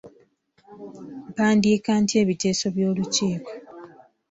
Mpandiika ntya ebiteeso by'olukiiko?